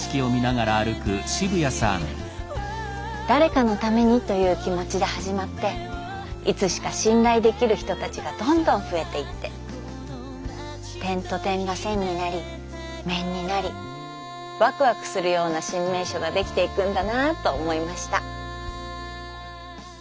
誰かのためにという気持ちで始まっていつしか信頼できる人たちがどんどん増えていって点と点が線になり面になりワクワクするような新名所ができていくんだなと思いました。